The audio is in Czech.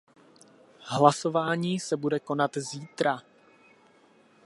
Hlasování se bude konat zítra.